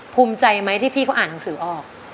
ภูมิใจไหมที่พี่เขาอ่านหนังสือออก